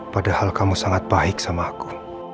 padahal kamu sangat baik sama aku